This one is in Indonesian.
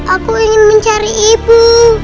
aku ingin mencari ibu